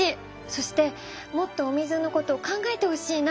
そしてもっとお水のこと考えてほしいな。